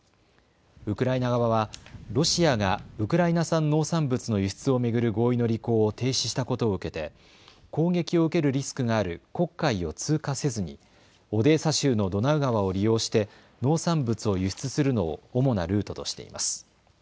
ウクライナ側はロシアがウクライナ産農産物の輸出を巡る合意の履行を停止したことを受けて攻撃を受けるリスクがある黒海を通過せずにオデーサ州のドナウ川を利用して農産物を輸出するのを主なルートとしています。